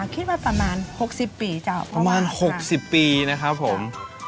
คิดมาประมาณ๖๐ปีเจ้าประมาณ๖๐ปีนะครับผม